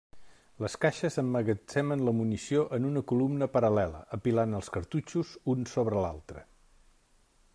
Les caixes emmagatzemen la munició en una columna paral·lela, apilant els cartutxos un sobre l'altre.